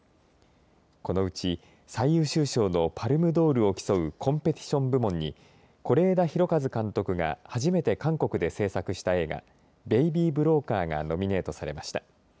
このうち最優秀賞のパルムドールを競うコンペティション部門に是枝裕和監督が初めて韓国で製作した映画ベイビー・ブローカーがノミネートされました。